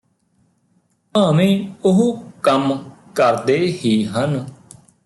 ਭਾਵੇਂ ਉਹ ਕੰਮ ਕਰਦੇ ਹੀ ਹਨ